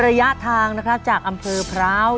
ระยะทางนะครับจากอำเภอพร้าว